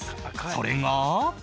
それが。